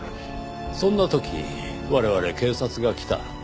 そんな時我々警察が来た。